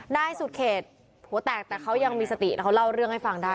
นายสุดเขตหัวแตกแต่เขายังมีสติแล้วเขาเล่าเรื่องให้ฟังได้